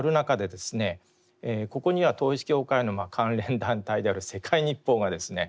ここには統一教会の関連団体である世界日報がですね